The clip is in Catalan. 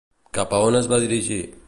Cap a on es va dirigir?